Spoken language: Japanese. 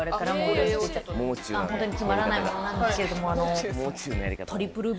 ホントにつまらないものなんですけれどもあの。